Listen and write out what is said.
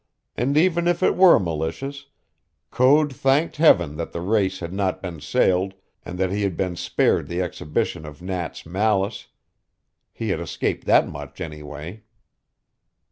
And even if it were malicious, Code thanked Heaven that the race had not been sailed, and that he had been spared the exhibition of Nat's malice. He had escaped that much, anyway.